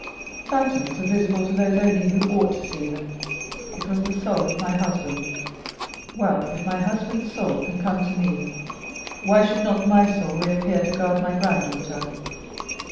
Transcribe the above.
"Phantoms are visible to those only who ought to see them. It was the soul of my husband!—Well, if my husband's soul can come to me, why should not my soul reappear to guard my granddaughter?